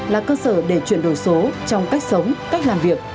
là cơ sở để chuyển đổi số trong cách sống cách làm việc